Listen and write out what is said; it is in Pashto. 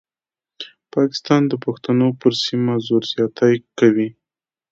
پاکستان د پښتنو پر سیمه زور زیاتی کوي.